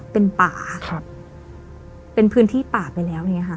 เป็นป่าครับเป็นพื้นที่ป่าไปแล้วอย่างนี้ค่ะ